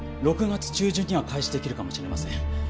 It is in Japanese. ６月中旬には開始できるかもしれません。